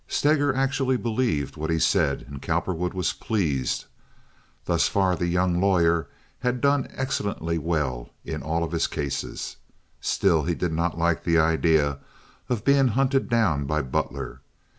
Steger actually believed what he said, and Cowperwood was pleased. Thus far the young lawyer had done excellently well in all of his cases. Still, he did not like the idea of being hunted down by Butler.